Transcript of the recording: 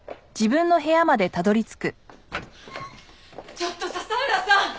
ちょっと佐々浦さん！